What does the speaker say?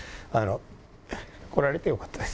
来られてよかったです。